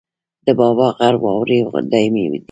د بابا غر واورې دایمي دي